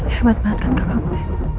hebat banget kan kakak gue